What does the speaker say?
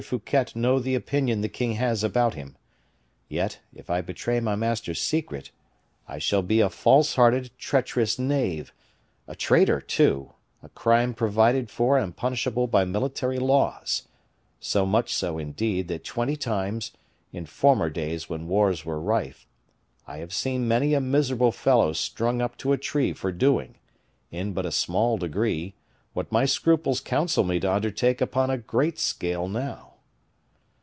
Fouquet know the opinion the king has about him. Yet, if I betray my master's secret, I shall be a false hearted, treacherous knave, a traitor, too, a crime provided for and punishable by military laws so much so, indeed, that twenty times, in former days when wars were rife, I have seen many a miserable fellow strung up to a tree for doing, in but a small degree, what my scruples counsel me to undertake upon a great scale now.